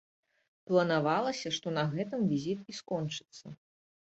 Планавалася, што на гэтым візіт і скончыцца.